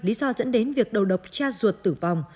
lý do dẫn đến việc đầu độc cha ruột tử vong